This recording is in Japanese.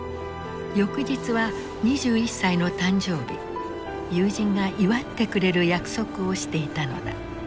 翌日は２１歳の誕生日友人が祝ってくれる約束をしていたのだ。